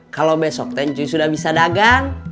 kalo besok te ncu sudah bisa dagang